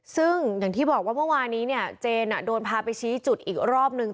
ซึ่งอย่างที่บอกว่าเมื่อวานี้เนี่ยเจนโดนพาไปชี้จุดอีกรอบนึง